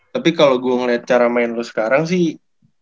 tapi kalau gue ngeliat cara main lu sekarang sih